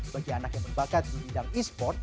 bagi anak yang berbakat di bidang e sport